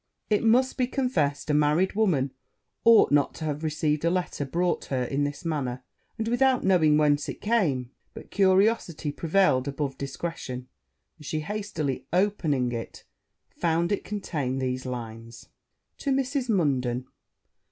It must be confessed, a married woman ought not to have received a letter brought her in this manner, and without knowing whence it came: but curiosity prevailed above discretion; and she, hastily opening it, found it contained these lines. 'To Mrs. Munden.